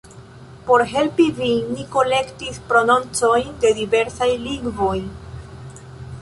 Por helpi vin, ni kolektis prononcojn de diversaj lingvoj.